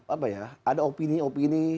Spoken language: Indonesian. apa ya ada opini opini